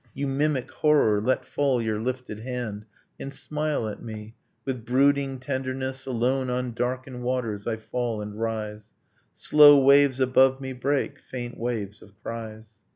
You mimic horror, let fall your lifted hand, And smile at me; with brooding tenderness ... Alone on darkened waters I fall and rise; Slow waves above me break, faint waves of cries.